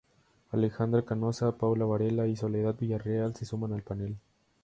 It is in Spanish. Alejandra Canosa, Paula Varela y Soledad Villarreal, se suman al panel.